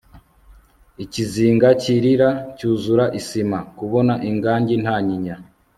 ikizinga cy'irira cyuzura isima, kubona ingajyi ntanyinya